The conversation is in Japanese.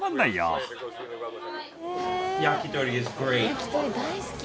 焼き鳥大好き。